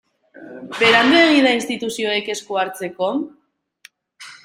Beranduegi da instituzioek esku hartzeko?